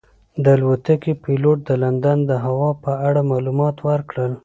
د الوتکې پېلوټ د لندن د هوا په اړه معلومات ورکړل.